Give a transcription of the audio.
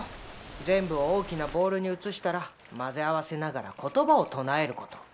全部を大きなボウルに移したら混ぜ合わせながら言葉を唱えること。